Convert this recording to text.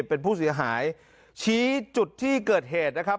เป็นผู้เสียหายชี้จุดที่เกิดเหตุนะครับ